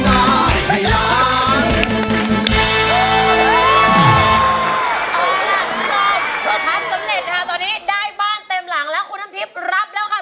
เอาล่ะสำเร็จค่ะตอนนี้ได้บ้านเต็มหลังแล้วคุณดำทิศรับแล้วค่ะ